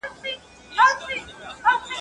ياد مي ته که، مړوي به مي خدای.